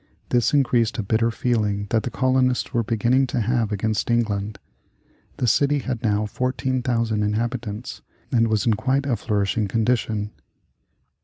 This increased a bitter feeling that the colonists were beginning to have against England. The city had now 14,000 inhabitants and was in quite a flourishing condition.